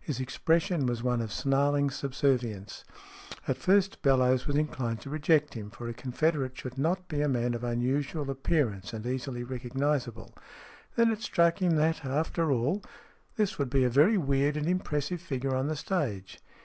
His expression was one of snarling subservience. At first Bellowes was inclined to reject him, for a confederate should not be a man of unusual appearance and easily recognizable. Then it struck him that, after all, this would be a very weird and impressive figure on the stage.